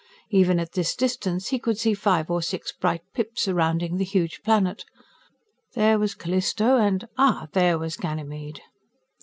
Even at this distance, he could see five or six bright pips surrounding the huge planet. There was Callisto, and ah there was Ganymede.